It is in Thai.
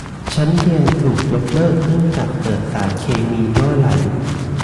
ชั้นเรียนถูกยกเลิกเนื่องจากเกิดสารเคมีรั่วไหล